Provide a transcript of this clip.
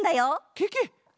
ケケ！